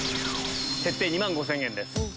設定２万５０００円です。